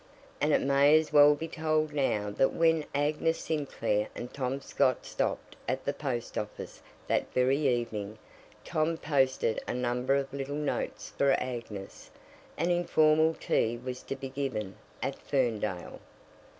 And it may as well be told now that when Agnes Sinclair and Tom Scott stopped at the post office that very evening Tom posted a number of little notes for Agnes an informal tea was to be given at Ferndale.